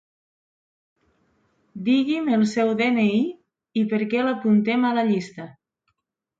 Digui'm el seu de-ena-i perquè l'apuntem a la llista.